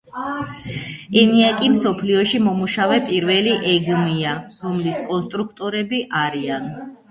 ენიაკი მსოფლიოში მომუშავე პირველი ეგმ-ია, რომლის კონსტრუქროტები არიან